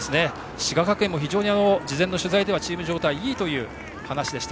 滋賀学園も事前の取材ではチーム状態がいいという話でした。